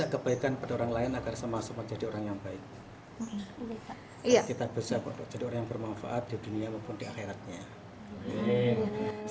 kita bisa jadi orang yang bermanfaat di dunia maupun di akhiratnya